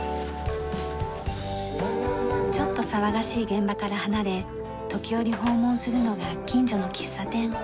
ちょっと騒がしい現場から離れ時折訪問するのが近所の喫茶店。